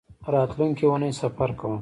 راتلونکۍ اونۍ سفر کوم